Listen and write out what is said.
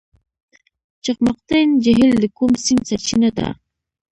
چقمقتین جهیل د کوم سیند سرچینه ده؟